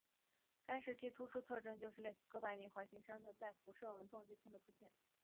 该时期的突出特征就是类似哥白尼环形山的带辐射纹的撞击坑的出现。